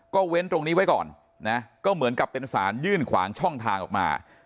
เว้นตรงนี้ไว้ก่อนนะก็เหมือนกับเป็นสารยื่นขวางช่องทางออกมา